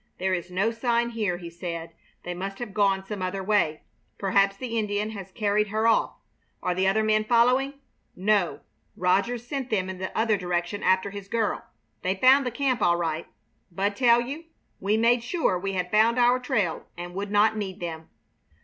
"There is no sign here," he said. "They must have gone some other way. Perhaps the Indian has carried her off. Are the other men following?" "No, Rogers sent them in the other direction after his girl. They found the camp all right. Bud tell you? We made sure we had found our trail and would not need them."